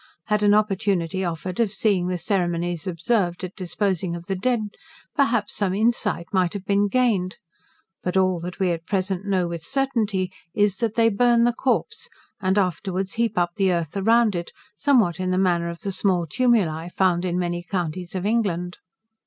Had an opportunity offered of seeing the ceremonies observed at disposing of the dead, perhaps, some insight might have been gained; but all that we at present know with certainty is, that they burn the corpse, and afterwards heap up the earth around it, somewhat in the manner of the small tumuli, found in many counties of England.